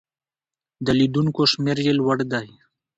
د لیدونکو شمېر یې لوړ دی.